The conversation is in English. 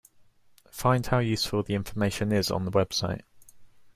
Find how useful the information is on the website.